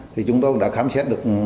thì chúng tôi đã khám xét được